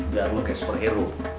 biar lo kayak superhero